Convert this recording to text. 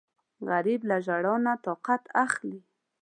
غریب له ژړا نه طاقت اخلي